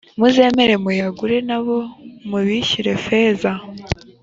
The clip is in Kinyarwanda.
muzemere muyagure na bo mubishyure feza.